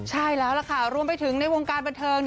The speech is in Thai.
ใช่แล้วล่ะค่ะรวมไปถึงในวงการบันเทิง